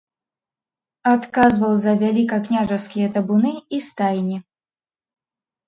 Адказваў за вялікакняжацкія табуны і стайні.